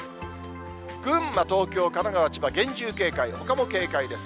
群馬、東京、神奈川、千葉、厳重警戒、ほかも警戒です。